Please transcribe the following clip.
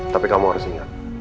tapi kamu harus ingat